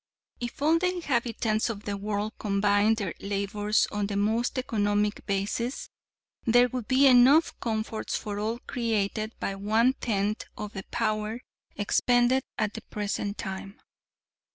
If all the inhabitants of the world combined their labors on the most economic basis, there would be enough comforts for all created by one tenth of the power expended at the present time.